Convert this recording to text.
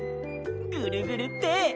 ぐるぐるって。